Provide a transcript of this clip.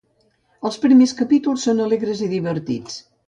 Els primers capítols són alegres i divertits.